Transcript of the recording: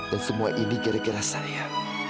dan semua ini gara gara saya